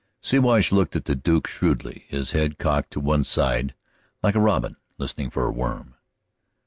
Siwash looked at the Duke shrewdly, his head cocked to one side like a robin listening for a worm.